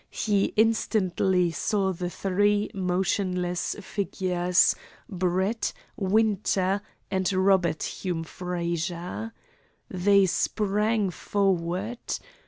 He instantly saw the three motionless figures, Brett, Winter, and Robert Hume Frazer. They sprang forward.